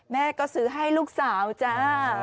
แม่ก็ซื้อให้ลูกสาวจ้า